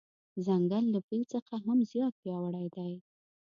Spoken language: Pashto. ځنګل له فیل څخه هم زیات پیاوړی دی.